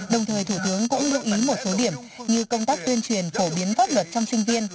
đồng thời thủ tướng cũng lưu ý một số điểm như công tác tuyên truyền phổ biến pháp luật trong sinh viên